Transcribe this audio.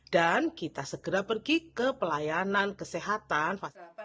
dan kita segera pergi ke pelayanan kesehatan